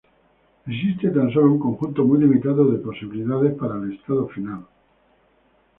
Existe tan solo un conjunto muy limitado de posibilidades para el estado final.